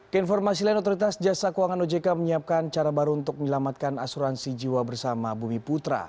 keinformasi lain otoritas jasa keuangan ojk menyiapkan cara baru untuk menyelamatkan asuransi jiwa bersama bumi putra